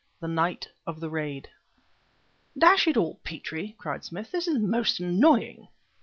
THE NIGHT OF THE RAID "Dash it all, Petrie!" cried Smith, "this is most annoying!"